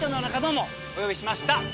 お呼びしました。